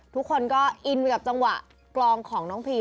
ทุกคนก็อินไปกับจังหวะกลองของน้องพี